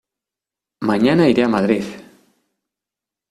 Mañana iré a Madrid.